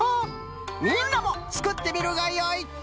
みんなもつくってみるがよい。